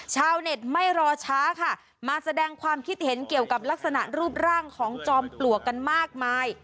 ชาวเน็ตไม่รอช้าค่ะมาแสดงความคิดเห็นเกี่ยวกับลักษณะรูปร่างของจอมปลวกกันมากมาย